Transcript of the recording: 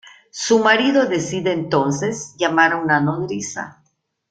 Su marido decide entonces llamar a una nodriza.